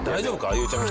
ゆうちゃみ